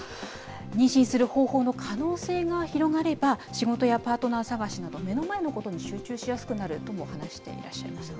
妊娠する方法の可能性が広がれば、仕事やパートナー探しなど、目の前のことに集中しやすくなるとも話していらっしゃいましたね。